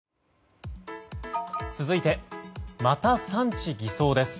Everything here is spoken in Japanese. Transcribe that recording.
続いてまた産地偽装です。